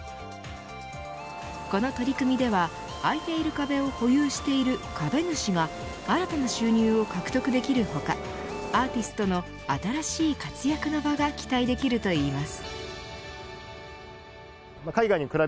この取り組みでは空いている壁を保有している壁主が新たな収入を獲得できる他アーティストの新しい活躍の場が期待できるといいます。